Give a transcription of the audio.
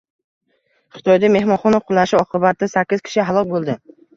Xitoyda mehmonxona qulashi oqibatida sakkiz kishi halok bo‘ldi